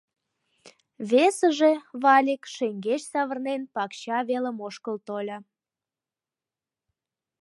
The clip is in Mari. Весыже, Валик, шеҥгеч савырнен, пакча велым ошкыл тольо.